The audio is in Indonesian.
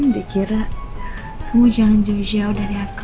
dikira kamu jangan jauh jauh dari aku